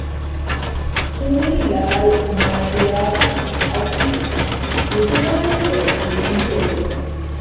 ޗުނީ ލާލް މާދިއާ އަކީ ގުޖުރާތުގެ ލިޔުންތެރިއެއް